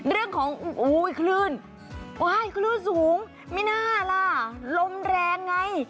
เรื่องของคลื่นคลื่นสูงไม่น่าล่ะลมแรงไง